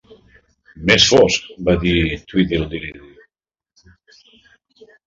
"Més fosc", va dir Tweedledee.